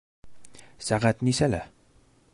Сәғәт нисәлә?